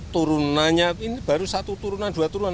turunannya ini baru satu turunan dua turunan